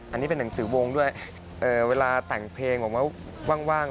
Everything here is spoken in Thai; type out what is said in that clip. อันนี้เป็นหนังสือวงด้วยเวลาแต่งเพลงบอกว่าว่าง